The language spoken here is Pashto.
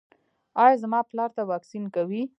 ایا زما پلار ته واکسین کوئ؟